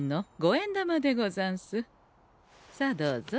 さあどうぞ。